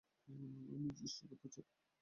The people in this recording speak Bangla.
আমিও চেষ্টা করতে চাই।